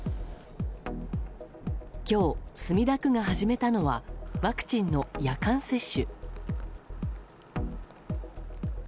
今日、墨田区が始めたのはワクチンの夜間接種。